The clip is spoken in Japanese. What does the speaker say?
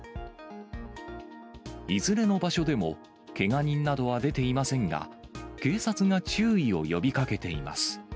いずれの場所でも、けが人などは出ていませんが、警察が注意を呼びかけています。